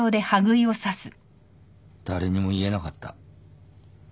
誰にも言えなかった。